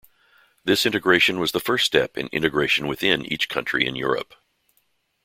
This integration was the first step in integration within each country in Europe.